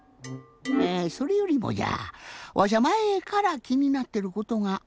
それよりもじゃわしゃまえからきになってることがあるんじゃ。